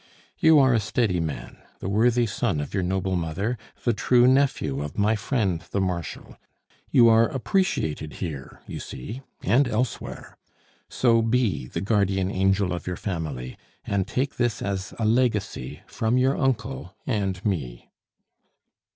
You are a steady man, the worthy son of your noble mother, the true nephew of my friend the Marshal; you are appreciated here, you see and elsewhere. So be the guardian angel of your family, and take this as a legacy from your uncle and me."